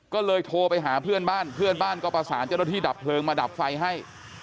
ก็เลยโทรไปหาเพื่อนบ้านเพื่อนบ้านก็ประสานเจ้าหน้าที่ดับเพลิงมาดับไฟให้